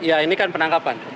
iya ini kan penangkapan